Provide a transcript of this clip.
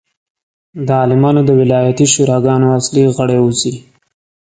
د عالمانو د ولایتي شوراګانو اصلي غړي اوسي.